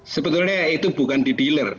sebetulnya itu bukan di dealer